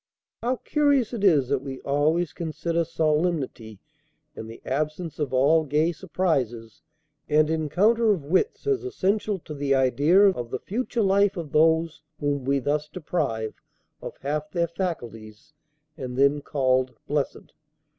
How curious it is that we always consider solemnity and the absence of all gay surprises and encounter of wits as essential to the idea of the future life of those whom we thus deprive of half their faculties and then called blessed!